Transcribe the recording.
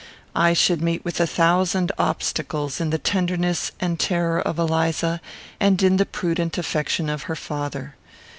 I should meet with a thousand obstacles in the tenderness and terror of Eliza, and in the prudent affection of her father.